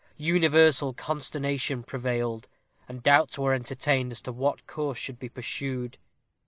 Universal consternation prevailed, and doubts were entertained as to what course should be pursued.